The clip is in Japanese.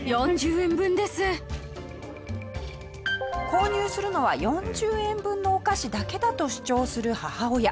購入するのは４０円分のお菓子だけだと主張する母親。